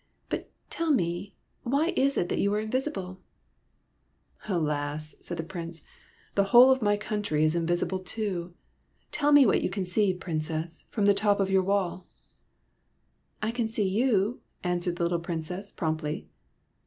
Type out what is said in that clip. But tell me, why is it that you are invisible ?"" Alas !" said the Prince. " The whole of my country is invisible, too. Tell me what you can see. Princess, from the top of your wall." " I can see you," answered the little Princess, promptly.